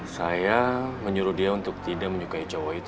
saya menyuruh dia untuk tidak menyukai jawa itu